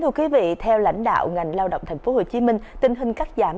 mời quý vị cùng quan tâm theo dõi